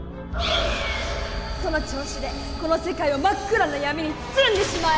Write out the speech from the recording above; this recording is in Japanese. その調子でこの世界をマックラなヤミに包んでしまえ！